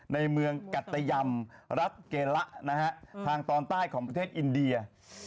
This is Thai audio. ในเมืองกัตยำรัฐเกละนะฮะทางตอนใต้ของประเทศอินเดีย